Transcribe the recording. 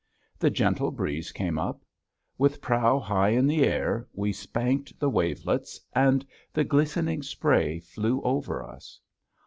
The gentle breeze came up. With prow high in the air we spanked the wavelets, and the glistening spray flew over us.